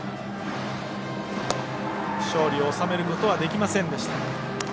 勝利を収めることはできませんでした。